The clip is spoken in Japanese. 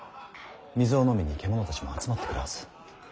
水を飲みに獣たちも集まってくるはず。